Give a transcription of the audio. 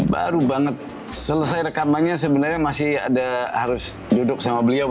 baru banget selesai rekamannya sebenarnya masih ada harus duduk sama beliau